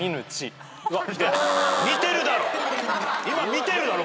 見てるだろ！